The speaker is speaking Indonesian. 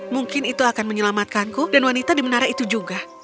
mungkin itu akan menyelamatkanku dan wanita di menara itu juga